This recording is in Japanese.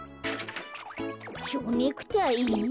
ちょうネクタイ？